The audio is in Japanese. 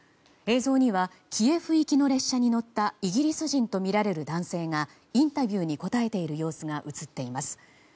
映像にはキエフ行きの列車に乗ったイギリス人とみられる男性がインタビューに答えている様子が映っています。